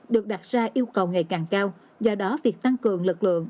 do đó việc tăng cường lực lượng